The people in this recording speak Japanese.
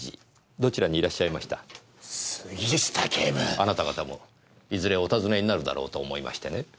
あなた方もいずれお尋ねになるだろうと思いましてね。